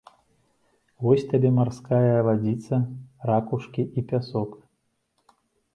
Вось табе марская вадзіца, ракушкі і пясок.